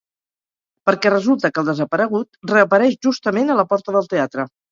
Perquè resulta que el desaparegut reapareix justament a la porta del teatre.